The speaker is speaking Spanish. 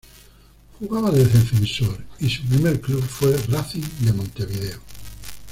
Jugaba de defensor y su primer club fue Racing de Montevideo.